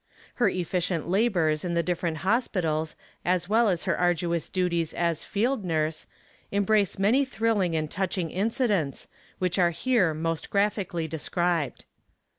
Her efficient labors in the different Hospitals as well as her arduous duties as "Field Nurse," embrace many thrilling and touching incidents, which are here most graphically described.